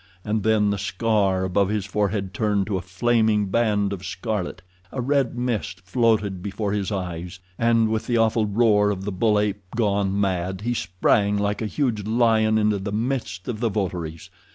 And then the scar upon his forehead turned to a flaming band of scarlet, a red mist floated before his eyes, and, with the awful roar of the bull ape gone mad, he sprang like a huge lion into the midst of the votaries.